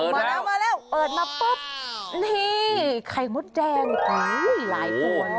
เปิดแล้วเปิดมาปุ๊บนี่ไข่มุดแดงหูยหลายตัวแล้ว